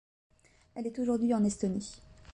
Elle est aujourd’hui en Estonie.